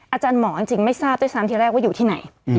อาจารย์หมอจริงไม่ทราบด้วยซ้ำที่แรกว่าอยู่ที่ไหน